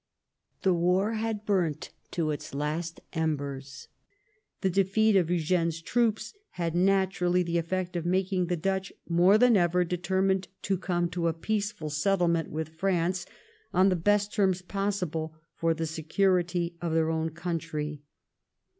The war had burnt to its last embers. The 1712 THE END OF THE WAR. 67 defeat of Eugene's troops had naturally the effect of making the Dutch more than ever determined to come to a peaceful settlement with France on the best terms possible for the security of their own country.